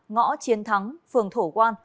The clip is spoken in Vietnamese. ngõ chiến thắng phường thổ quan